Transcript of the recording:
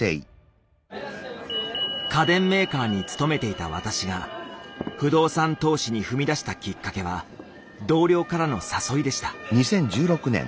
家電メーカーに勤めていた私が不動産投資に踏み出したきっかけは同僚からの誘いでした。